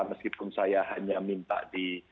meskipun saya hanya minta di